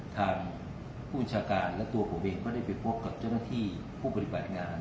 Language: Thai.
ทางผู้บัญชาการและตัวผมเองก็ได้ไปพบกับเจ้าหน้าที่ผู้ปฏิบัติงาน